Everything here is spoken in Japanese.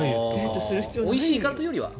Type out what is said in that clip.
おいしいからというよりは？